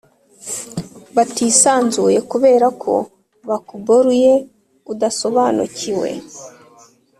batisanzuye kubera ko bakuboIyo udasobanukiwe